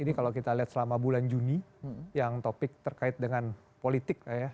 ini kalau kita lihat selama bulan juni yang topik terkait dengan politik